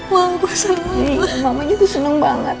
mama juga seneng banget